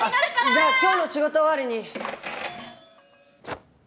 じゃあ今日の仕事終わりに！